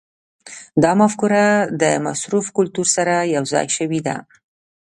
دا مفکوره د مصرف کلتور سره یوځای شوې ده.